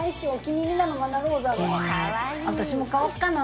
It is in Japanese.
私も買おうかな。